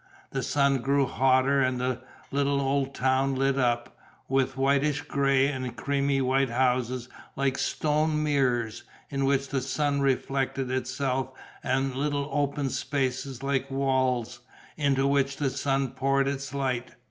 The sun grew hotter and the little old town lit up, with whitish grey and creamy white houses like stone mirrors, in which the sun reflected itself, and little open spaces like walls, into which the sun poured its light.